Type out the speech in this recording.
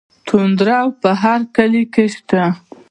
تندور په هر کلي کې شته.